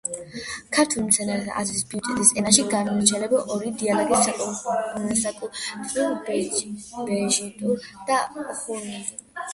ქართველ მეცნიერთა აზრით ბეჟიტურ ენაში განირჩევა ორი დიალექტი: საკუთრივ ბეჟიტური და ჰუნზიბური.